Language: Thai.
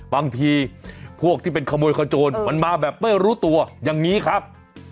บางทีพวกที่เป็นขโมยขโจรมันมาแบบไม่รู้ตัวอย่างนี้ครับ